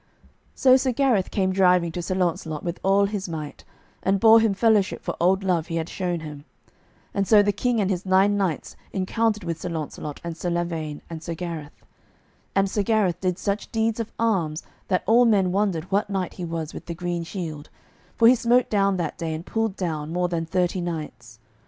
So Sir Gareth came driving to Sir Launcelot with all his might, and bore him fellowship for old love he had shown him. And so the King and his nine knights encountered with Sir Launcelot and Sir Lavaine and Sir Gareth. And Sir Gareth did such deeds of arms that all men wondered what knight he was with the green shield; for he smote down that day and pulled down more than thirty knights.